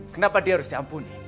kenapa dia harus diampuni